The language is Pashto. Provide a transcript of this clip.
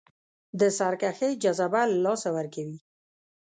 د سرکښۍ جذبه له لاسه ورکوي.